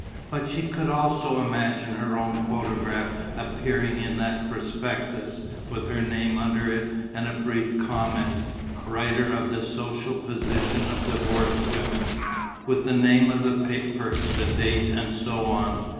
But she could also imagine her own photograph appearing in that prospectus, with her name under it and a brief comment: writer of The Social Position of Divorced Women, with the name of the paper, the date and so on.